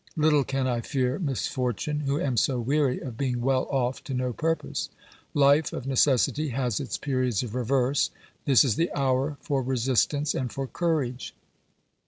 Little can I fear misfortune, who am so weary of being well off to no purpose. Life of necessity has its periods of reverse ; this is the hour for resistance and for courage.